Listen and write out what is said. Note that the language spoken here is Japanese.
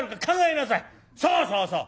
そうそうそう！